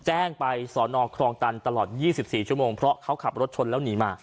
แจ้งไปสอนอครองตันตลอด๒๔ชั่วโมงเพราะเขาขับรถชนแล้วหนีมา